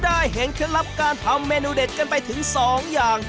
ได้เห็นเคล็ดลับการทำเมนูเด็ดกันไปถึง๒อย่าง